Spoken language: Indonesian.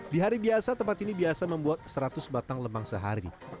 di hari biasa tempat ini biasa membuat seratus batang lemang sehari